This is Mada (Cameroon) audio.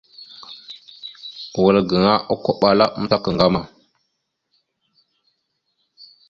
Wal gaŋa okombaláamətak ŋgam a.